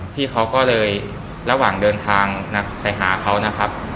พี่เขาก็เลยระหว่างเดินทางไปหาเขานะครับ